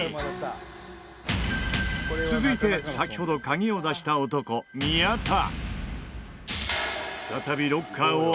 続いて先ほど鍵を出した男宮田。